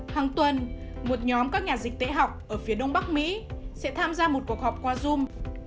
hàng tuần một nhóm các nhà dịch tễ học ở phía đông bắc mỹ sẽ tham gia một cuộc họp qua zoom